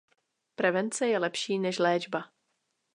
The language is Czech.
Prevence je lepší než léčba.